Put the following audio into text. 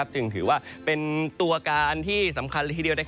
จึงถือว่าเป็นตัวการที่สำคัญเลยทีเดียว